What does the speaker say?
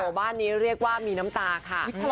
อ้อหวบ้านนี้เรียกว่ามีน้ำตา